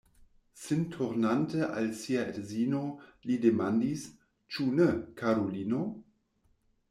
Sin turnante al sia edzino, li demandis: Ĉu ne, karulino?